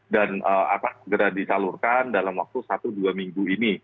dan akan segera ditalurkan dalam waktu satu dua minggu ini